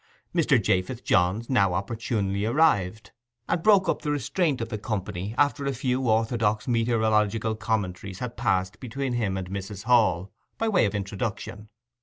Mr. Japheth Johns now opportunely arrived, and broke up the restraint of the company, after a few orthodox meteorological commentaries had passed between him and Mrs. Hall by way of introduction.